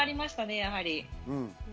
やはり。